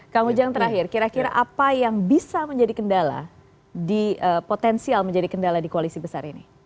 kang ujang terakhir kira kira apa yang bisa menjadi kendala di potensial menjadi kendala di koalisi besar ini